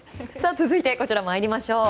続いてこちら参りましょう。